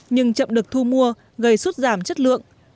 nhưng chậm được thu mua gây sụt giảm chất lượng